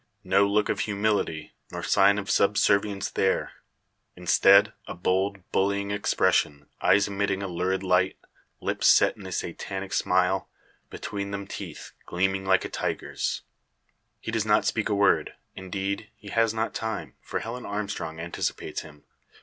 No look of humility, nor sign of subservience there. Instead, a bold, bullying expression, eyes emitting a lurid light, lips set in a satanic smile, between them teeth gleaming like a tiger's! He does not speak a word. Indeed, he has not time; for Helen Armstrong anticipates him.